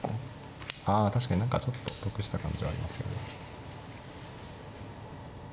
あ確かに何かちょっと得した感じはありますよね。